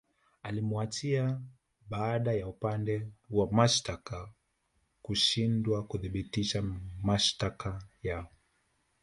Aliwaachia baada ya upande wa mashitaka kushindwa kuthibitisha mashitaka yao